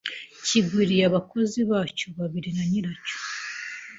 kigwiriye abakozi bacyo babiri ba nyiracyo